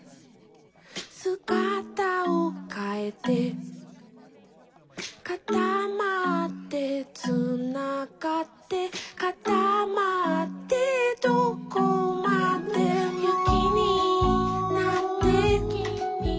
「すがたをかえて」「かたまってつながって」「かたまってどこまでも」「ゆきになって」